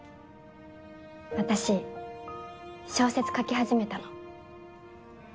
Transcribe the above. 私小説書き始めたの。